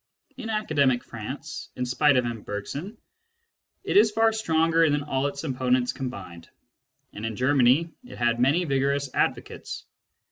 In academic France, in spite of M. Bergson, it is far stronger than all its opponents combined ; and in Germany it has many vigorous advocates.